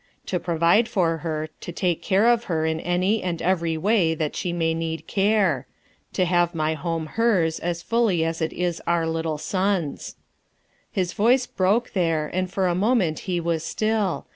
To provide for her, to take of her in any and every way that she may need care; to have my home hers as full"* as it is our little son's." His voice broke there, and for a moment he Was still.